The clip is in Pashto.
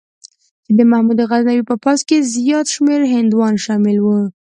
چې د محمود غزنوي په پوځ کې زیات شمېر هندوان شامل وو.